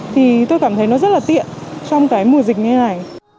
thì tôi cảm thấy nó rất là tiện trong cái mùa dịch như thế này